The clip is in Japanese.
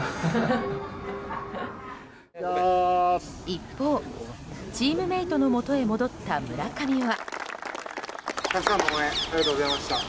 一方、チームメートのもとへ戻った村上は。